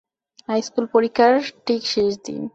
High school পরীক্ষার ঠিক শেষ দিন।